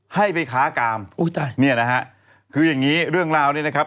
ให้ไปค้ากามเนี่ยนะฮะคืออย่างนี้เรื่องราวเนี่ยนะครับ